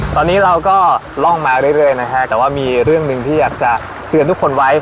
ตอนนี้เราก็ล่องมาเรื่อยนะฮะแต่ว่ามีเรื่องหนึ่งที่อยากจะเตือนทุกคนไว้